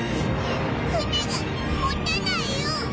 船がもたないよ。